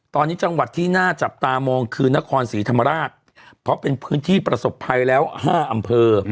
ตอนนี้จังหวัดที่น่าจับตามองคือนครศรีธรรมราชเพราะเป็นพื้นที่ประสบภัยแล้ว๕อำเภอ